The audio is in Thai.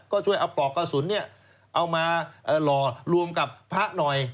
ก็ช่วยเอาปลอกกระสุนเอามาหล่อรวมกับพระหน่อย